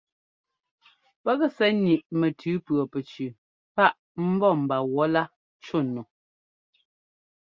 Pɛ́k sɛ́ ńniꞌ mɛtʉ pʉɔpɛcu páꞌ ḿbɔ́ mba wɔ̌lá cú nu.